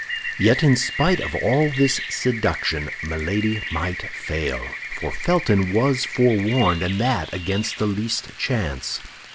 Yet in spite of all this seduction Milady might fail—for Felton was forewarned, and that against the least chance.